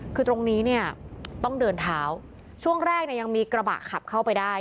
คือตรงนี้เนี่ยต้องเดินเท้าช่วงแรกเนี่ยยังมีกระบะขับเข้าไปได้